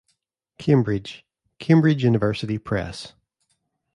Cambridge: Cambridge University Press.